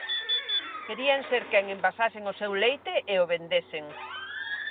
Querían ser quen envasasen o seu leite e o vendesen.